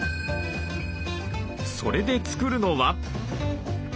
それで作るのは。